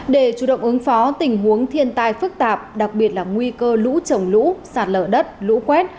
để chủ động ứng phó tình huống thiên tai phức tạp đặc biệt là nguy cơ lũ trồng lũ sạt lở đất lũ quét